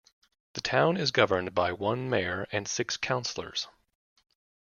The town is governed by one mayor and six councillors.